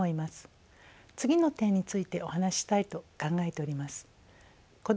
次の点についてお話ししたいと考えております。